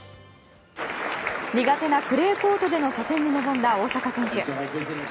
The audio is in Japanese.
苦手なクレーコートでの初戦に臨んだ大坂選手。